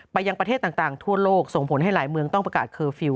ยังประเทศต่างทั่วโลกส่งผลให้หลายเมืองต้องประกาศเคอร์ฟิลล